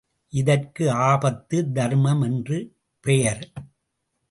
இதற்கு ஆபத்து தர்மம் என்று பெயர்.